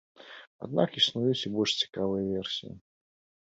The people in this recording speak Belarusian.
Аднак існуюць і больш цікавыя версіі.